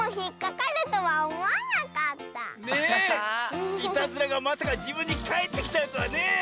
いたずらがまさかじぶんにかえってきちゃうとはねえ。